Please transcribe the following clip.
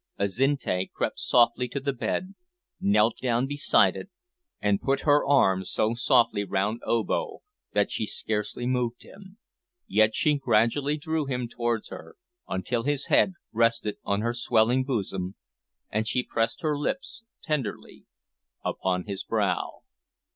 Azinte crept softly to the bed, knelt down beside it and put her arms so softly round Obo that she scarcely moved him, yet she gradually drew him towards her until his head rested on her swelling bosom, and she pressed her lips tenderly upon his brow.